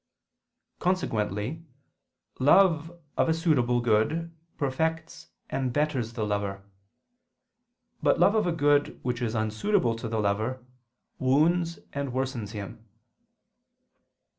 Consequently love of a suitable good perfects and betters the lover; but love of a good which is unsuitable to the lover, wounds and worsens him.